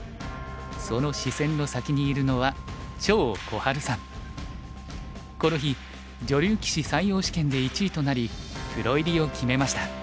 その視線の先にいるのはこの日女流棋士採用試験で１位となりプロ入りを決めました。